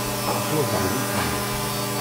Yettwagdel ukeyyef.